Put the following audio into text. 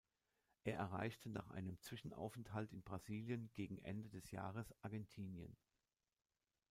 Er erreichte nach einem Zwischenaufenthalt in Brasilien gegen Ende des Jahres Argentinien.